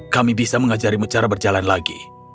kami bisa mengajarimu cara berjalan lagi